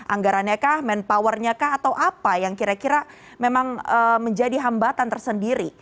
anggarannya kah manpowernya kah atau apa yang kira kira memang menjadi hambatan tersendiri